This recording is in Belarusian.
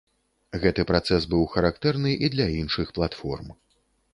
Гэты працэс быў характэрны і для іншых платформ.